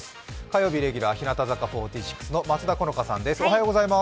火曜日レギュラー、日向坂４６の松田好花さんです。